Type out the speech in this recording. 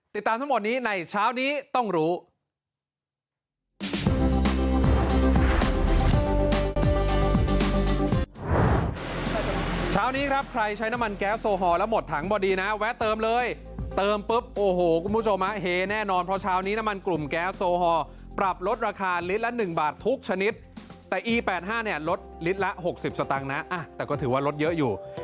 ติดตามทั้งหมดนี้ในเช้านี้ต้องรู้